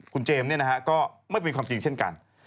คุณเจมส์ก็ไม่เป็นความจริงเช่นกัน